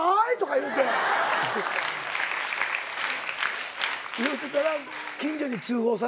言うてたら近所に通報される。